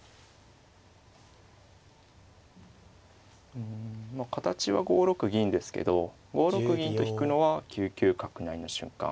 うんまあ形は５六銀ですけど５六銀と引くのは９九角成の瞬間